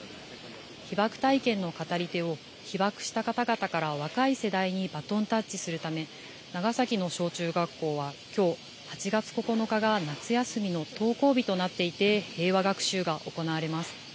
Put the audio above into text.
被爆体験の語り手を被爆した方々から若い世代にバトンタッチするため、長崎の小中学校はきょう８月９日が夏休みの登校日となっていて、平和学習が行われます。